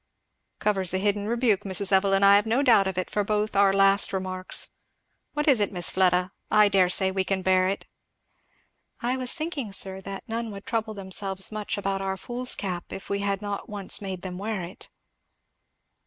"Covers a hidden rebuke, Mrs. Evelyn, I have no doubt, for both our last remarks. What is it, Miss Fleda? I dare say we can bear it." "I was thinking, sir, that none would trouble themselves much about our foolscap if we had not once made them wear it."